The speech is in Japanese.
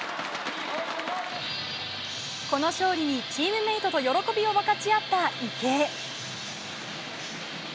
この勝利に、チームメートと喜びを分かち合った池江。